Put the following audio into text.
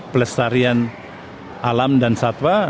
pelestarian alam dan satwa